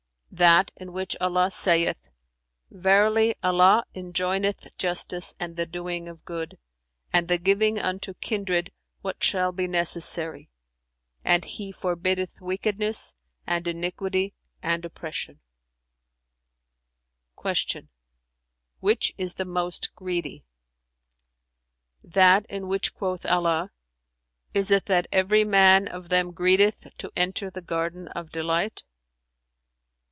"That in which Allah saith, 'Verily, Allah enjoineth justice and the doing of good, and the giving unto kindred what shall be necessary; and He forbiddeth wickedness and iniquity and oppression'"[FN#354] Q "Which is the most greedy?" "That in which quoth Allah, 'Is it that every man of them greedeth to enter the Garden of Delight?'"